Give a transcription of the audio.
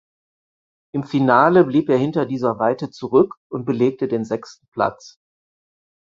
Im Finale blieb er hinter dieser Weite zurück und belegte den sechsten Platz.